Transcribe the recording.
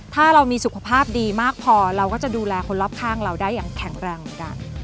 ถ้าเรามีสุขภาพดีมากพอเราก็จะดูแลคนรอบข้างเราได้อย่างแข็งแรงเหมือนกัน